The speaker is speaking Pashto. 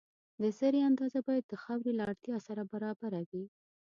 د سرې اندازه باید د خاورې له اړتیا سره برابره وي.